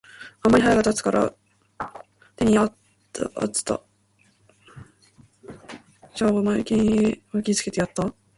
あんまり腹が立つたから、手に在つた飛車を眉間へ擲きつけてやつた。